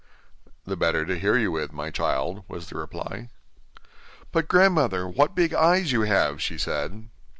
'The better to hear you with, my child,' was the reply. 'But, grandmother, what big eyes you have!' she said.